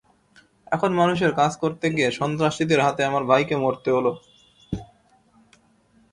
এখন মানুষের কাজ করতে গিয়ে সন্ত্রাসীদের হাতে আমার ভাইকে মরতে হলো।